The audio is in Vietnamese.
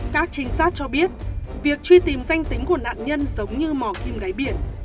các trinh sát cho biết việc truy tìm danh tính của nạn nhân giống như mò kim đáy biển